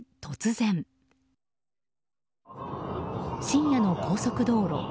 深夜の高速道路。